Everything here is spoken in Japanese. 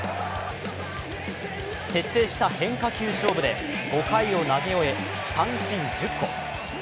徹底した変化球勝負で５回を投げ終え、三振１０個。